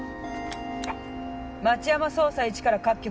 町山捜査１から各局。